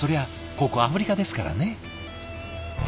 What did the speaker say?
ここアフリカですからね。